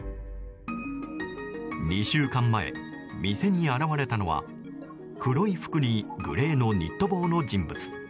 ２週間前、店に現れたのは黒い服にグレーのニット帽の人物。